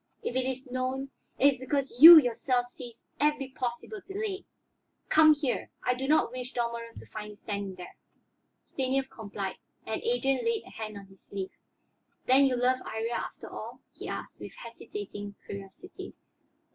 If it is known, it is because you yourself seized every possible delay. Come here; I do not wish Dalmorov to find you standing there." Stanief complied, and Adrian laid a hand on his sleeve. "Then you love Iría, after all?" he asked, with hesitating curiosity.